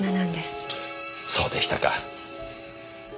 そうでしたか。